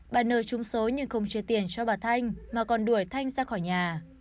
bà n trung số nhưng không chia tiền cho bà thanh mà còn đuổi thanh ra khỏi nhà